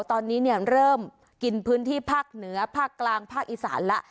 ตอนนี้เนี่ยเริ่มกินพื้นที่ภาคเหนือภาคกลางภาคอีสานแล้ว